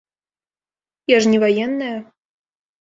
Я ж не ваенная.